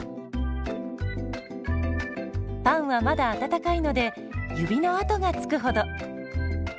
パンはまだ温かいので指の跡がつくほど。